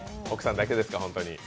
奥さんだけですか、ホントに？